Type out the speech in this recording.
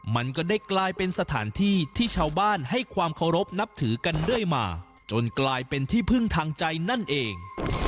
มันก็ได้กลายเป็นสถานที่ที่ชาวบ้านให้ความเคารพนับถือกันเรื่อยมาจนกลายเป็นที่พึ่งทางใจนั่นเอง